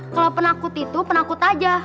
kalau penakut itu penakut aja